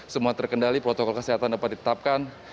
semua terkendali protokol kesehatan dapat ditetapkan